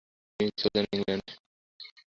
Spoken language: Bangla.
তিনি চলে যান ইংল্যান্ড।